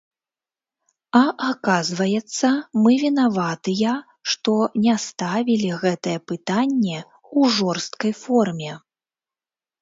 А аказваецца, мы вінаватыя, што не ставілі гэтае пытанне ў жорсткай форме!